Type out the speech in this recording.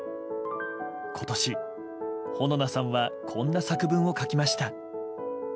今年、穂菜さんはこんな作文を書きました。